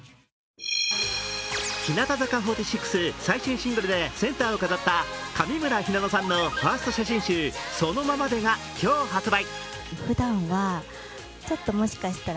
日向坂４６最新シングルでセンターを飾った上村ひなのさんのファースト写真集「そのままで」が今日発売。